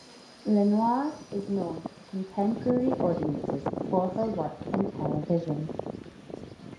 LeNoire is known to contemporary audiences for her work in television.